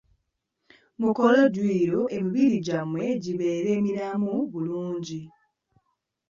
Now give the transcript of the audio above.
Mukole dduyiro emibiri gyammwe gibeere miramu bulungi.